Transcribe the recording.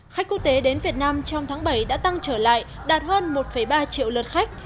khách quốc tế đến việt nam trong tháng bảy đã tăng trở lại đạt hơn một ba triệu lượt khách